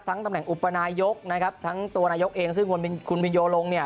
ตำแหน่งอุปนายกนะครับทั้งตัวนายกเองซึ่งคุณพินโยลงเนี่ย